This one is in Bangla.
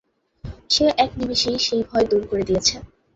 সে এক নিমেষেই সেই ভয় দূর করে দিয়েছে।